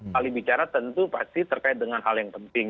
kali bicara tentu pasti terkait dengan hal yang penting